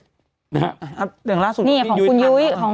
อย่างล่าสุด